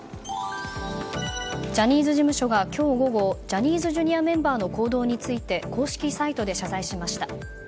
ジャニーズ事務所が今日午後ジャニーズＪｒ．メンバーの行動について公式サイトで謝罪しました。